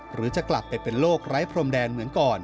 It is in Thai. หรือจะกลับไปเป็นโรคไร้พรมแดนเหมือนก่อน